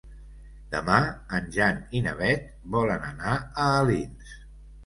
Demà en Jan i na Beth volen anar a Alins.